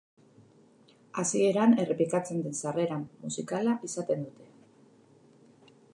Hasieran errepikatzen den sarrera-musikala izaten dute.